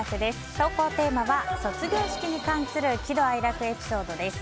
投稿テーマは、卒業式に関する喜怒哀楽エピソードです。